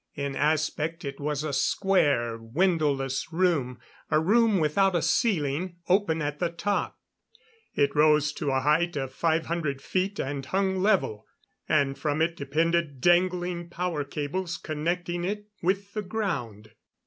In aspect it was a square, windowless room a room without a ceiling, open at the top. It rose to a height of five hundred feet and hung level. And from it depended dangling power cables connecting it with the ground.